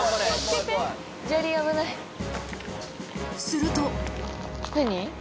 すると。